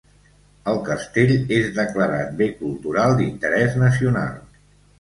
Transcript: El castell és declarat bé cultural d'interès nacional.